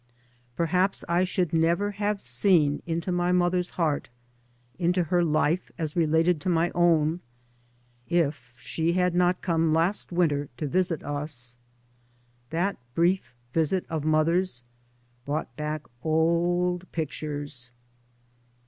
Perhaps I should never have seen into mother's heart, into her life as related to my own, if she had not come 3 by Google MY MOTHER AND I last winter to visit us. That brief visit of mother's brought back old pictures.